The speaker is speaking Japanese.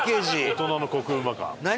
「大人のコクうま感」何？